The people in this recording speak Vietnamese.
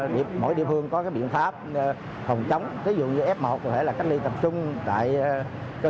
để mỗi địa phương có cái biện pháp phòng chống ví dụ như f một có thể là cách ly tập trung tại cơ